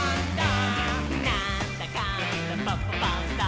「なんだかんだパパ★パンダ」